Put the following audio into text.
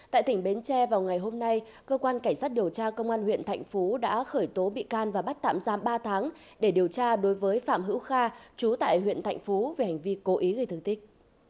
tại tỉnh bến tre vào ngày hôm nay cơ quan cảnh sát điều tra công an huyện thạnh phú đã khởi tố bị can và bắt tạm giam ba tháng để điều tra đối với phạm hữu kha chú tại huyện thạnh phú về hành vi cố ý gây thương tích